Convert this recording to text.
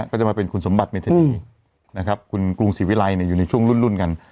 ก็จะมาเป็นคุณสมบัติในคดีนะครับคุณกรุงศรีวิรัยอยู่ในช่วงรุ่นกัน